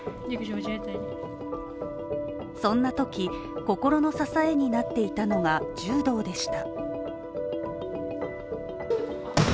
そんなとき、心の支えになっていたのが柔道でした。